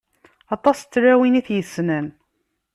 Aṭas n tlawin i t-yessnen.